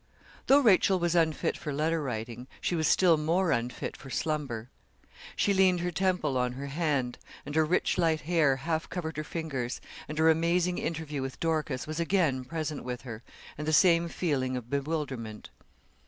Though Rachel was unfit for letter writing, she was still more unfit for slumber. She leaned her temple on her hand, and her rich light hair half covered her fingers, and her amazing interview with Dorcas was again present with her, and the same feeling of bewilderment.